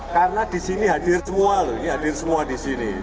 karena di sini hadir semua loh ini hadir semua di sini